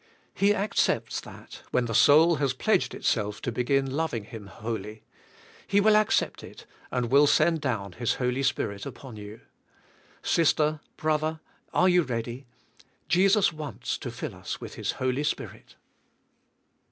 He accepts that, when the soul has pledged itself to begin loving Him wholly. He will accept it, and will send down His Holy Spirit upon you. Sister, brother, are you ready? Jesus wants to fill us with His Holy Spirit.